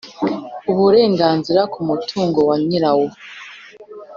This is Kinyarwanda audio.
uburenganzira kumutungo wanyira wo